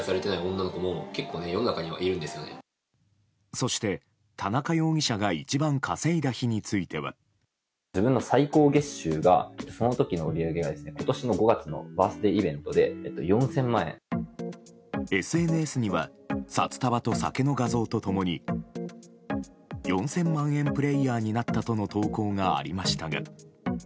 そして田中容疑者が一番稼いだ日については。ＳＮＳには札束と酒の画像と共に４０００万円プレーヤーになったとの投稿がありましたが。